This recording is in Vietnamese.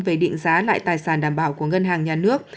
về định giá lại tài sản đảm bảo của ngân hàng nhà nước